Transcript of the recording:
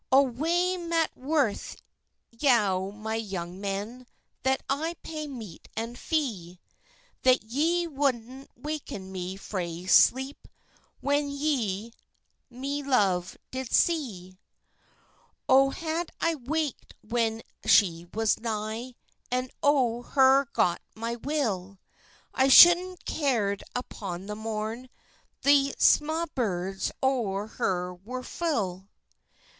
"O wae mat worth yow, my young men, That I pay meat and fee, That ye woudna waken me frae sleep When ye my love did see? "O had I waked when she was nigh, And o her got my will, I shoudna cared upon the morn The sma birds o her were fill."